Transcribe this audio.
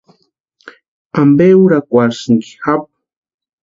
¿Ampe úrakwarhisïnki japu?